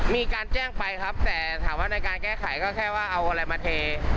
มีการแจ้งไปครับแต่ถามว่าในการแก้ไขก็แค่ว่าเอาอะไรมาเท